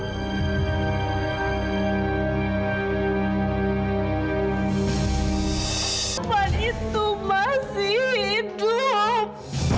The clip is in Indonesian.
tuhan itu masih hidup